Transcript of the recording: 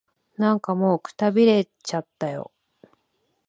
なんかもう、くたびれちゃったよ。